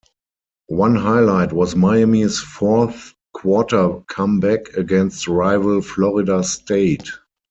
One highlight was Miami's fourth quarter comeback against rival Florida State.